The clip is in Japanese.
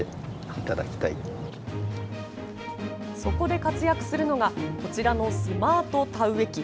そこで活躍するのがこちらのスマート田植え機。